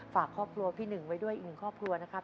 ฝากครอบครัวพี่หนึ่งไว้ด้วยอีกหนึ่งครอบครัวนะครับ